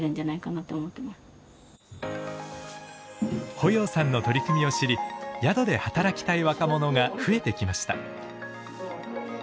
保要さんの取り組みを知り宿で働きたい若者が増えてきました。